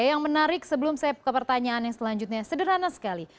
yang menarik sebelum saya ke pertanyaan yang selanjutnya sederhana sekali